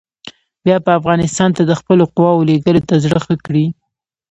بیا به افغانستان ته د خپلو قواوو لېږلو ته زړه ښه کړي.